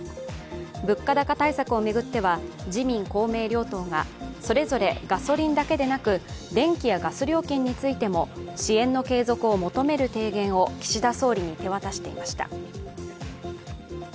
物価高対策を巡っては自民・公明両党がそれぞれガソリンだけでなく電気やガス料金についても支援の継続を求める提言を岸田総理に手渡していました。